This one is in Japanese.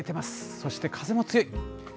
そして風も強い。